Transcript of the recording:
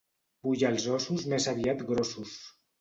Vull els ossos més aviat grossos.